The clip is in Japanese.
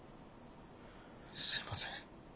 すみません。